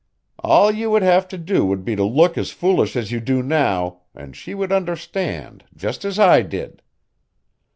"All you would have to do would be to look as foolish as you do now, and she would understand just as I did."